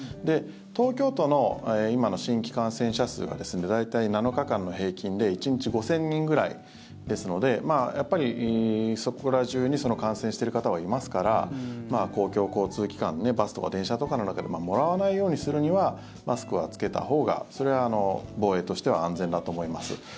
東京都の今の新規感染者数が大体７日間の平均で１日５０００人ぐらいですのでやっぱりそこら中に感染している方はいますから公共交通機関バスとか電車とかの中でもらわないようにするにはマスクは着けたほうがそれは防衛としては安全だと思います。